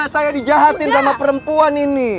saya dijahatin sama perempuan ini